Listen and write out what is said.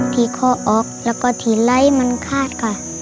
ที่ข้อออกแล้วก็ที่ไร้มันคาดค่ะ